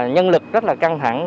nhân lực rất là căng thẳng